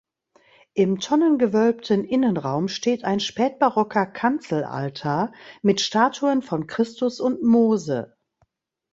Im tonnengewölbten Innenraum steht ein spätbarocker Kanzelaltar mit Statuen von Christus und Mose.